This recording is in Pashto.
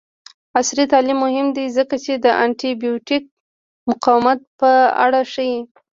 عصري تعلیم مهم دی ځکه چې د انټي بایوټیک مقاومت په اړه ښيي.